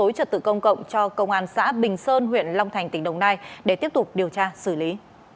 hành vi gây dối trật tự công cộng cho công an xã bình sơn huyện long thành tỉnh đồng nai để tiếp tục điều tra xử lý